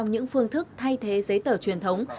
những phương thức thay thế giấy tờ truyền thống